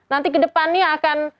nanti kedepannya akan